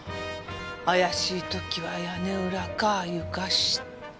怪しい時は屋根裏か床下。